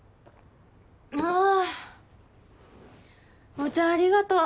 お茶ありがとう。